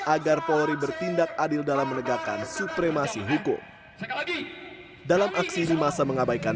agar polri bertindak adil dalam menegakkan supremasi hukum dalam aksi ini masa mengabaikan